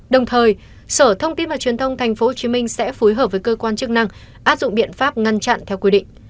đồng thời sở thông tin và truyền thông tp hcm sẽ phối hợp với cơ quan chức năng áp dụng biện pháp ngăn chặn theo quy định